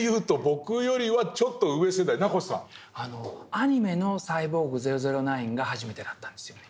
アニメの「サイボーグ００９」が初めてだったんですよね。